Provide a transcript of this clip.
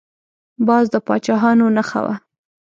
باز د پاچاهانو نښه وه